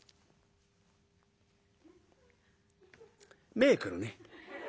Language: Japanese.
「目ぇくるね。